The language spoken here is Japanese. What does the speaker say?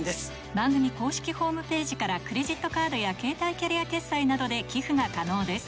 番組公式ホームページからクレジットカードや携帯キャリア決済などで寄付が可能です